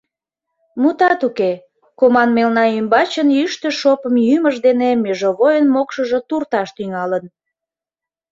Мутат уке, команмелна ӱмбачын йӱштӧ шопым йӱмыж дене межовойын мокшыжо турташ тӱҥалын.